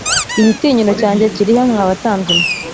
igitinyiro cyanjye kiri he mwa batambyi mwe